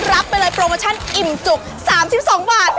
รับไปเลยโปรโมชั่นอิ่มจุก๓๒บาท